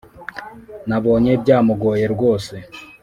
Nabonye byamugoye rwose